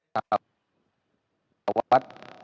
nah ini itu juga